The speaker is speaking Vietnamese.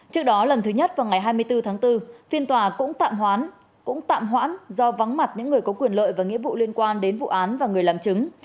trước đó lần thứ nhất vào ngày hai mươi bốn tháng bốn phiên tòa cũng tạm hoãn do vắng mặt những người có quyền lợi và nghĩa vụ liên quan đến vụ án và người làm chứng